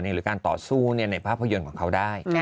หรือการต่อสู้ในภาพยนตร์ของเขาได้